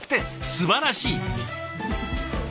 すばらしい。